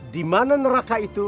dimana neraka itu